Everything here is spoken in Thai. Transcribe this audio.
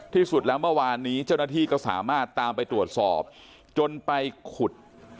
ที่สุดแล้วเมื่อวานนี้เจ้าหน้าที่ก็สามารถตามไปตรวจสอบจนไปขุด